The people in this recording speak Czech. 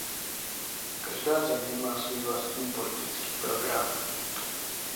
Každá země má svůj vlastní politický program.